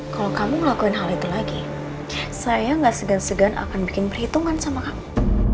kalau kamu ngelakuin hal itu lagi saya gak segan segan akan bikin perhitungan sama kamu